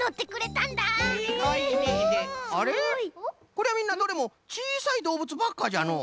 これはみんなどれもちいさいどうぶつばっかじゃのう。